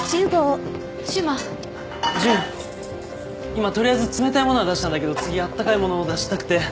今とりあえず冷たいものは出したんだけど次温かいものを出したくて。